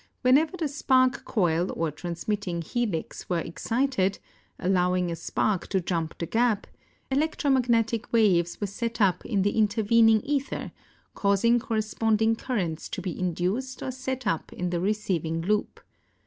when ever the spark coil or transmitting helix were excited, allowing a spark to jump the gap, electromagnetic waves were set up in the intervening ether, causing corre sponding currents to be induced or set up in the receiving loop.